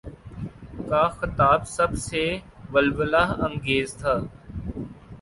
کا خطاب سب سے ولولہ انگیز تھا۔